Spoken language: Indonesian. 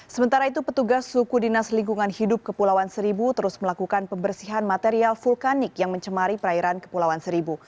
sementara itu petugas suku dinas lingkungan hidup kepulauan seribu terus melakukan pembersihan material vulkanik yang mencemari perairan kepulauan seribu